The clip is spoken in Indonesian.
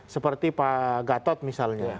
seperti pak gatot misalnya